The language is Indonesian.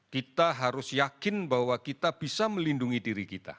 kita harus yakin bahwa kita bisa melindungi diri kita